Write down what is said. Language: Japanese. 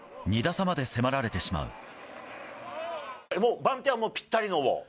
２打差まで迫られてしまう。